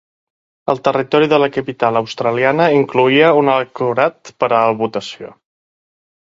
El territori de la capital australiana incloïa un electorat per a la votació.